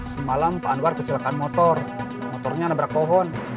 semalam pak anwar kecelakaan motor motornya nabrak pohon